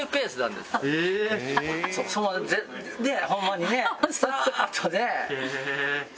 でホンマにねガーッとね。